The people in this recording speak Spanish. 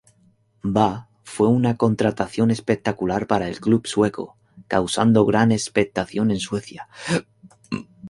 Ba fue una contratación espectacular para el club sueco, causando gran expectación en Suecia.